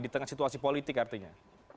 di tengah situasi politik artinya